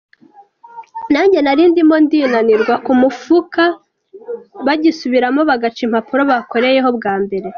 nanjye narindimo ndinanirwa kumufuka bagisubiramo bagaca impapuro bakoreyeho bwa mbere.